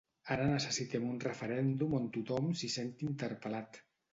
Ara necessitem un referèndum on tothom s’hi senti interpel·lat.